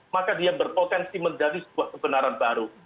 maka dia berpotensi menjadi sebuah kebenaran baru